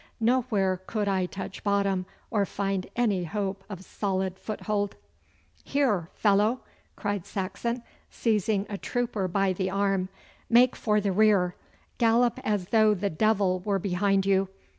Nowhere could I touch bottom or find any hope of solid foothold. 'Here, fellow!' cried Saxon, seizing a trooper by the arm. 'Make for the rear! Gallop as though the devil were behind you!